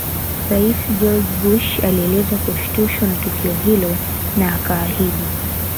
Rais George Bush alieleza kushtushwa na tukio hilo na akaahidi